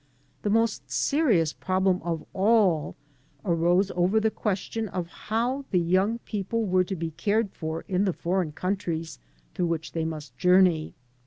The most serious problem of all arose over the question of how the young people were to be cared for in the foreign coun tries through which they must journey.